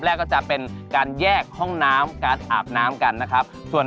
ตามแอฟผู้ชมห้องน้ำด้านนอกกันเลยดีกว่าครับ